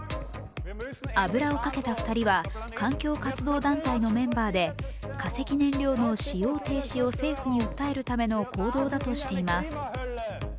油をかけた２人は環境活動団体のメンバーで化石燃料の使用停止を政府に訴えるための行動だとしています。